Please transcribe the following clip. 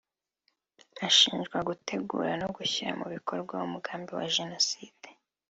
Ashinjwa gutegura no gushyira mu bikorwa umugambi wa Jenoside